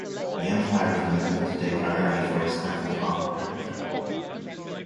The empire is remembered today primarily for its temple architecture.